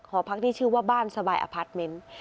หอพักที่ชื่อว่าบ้านสบายอพาร์ทเมนต์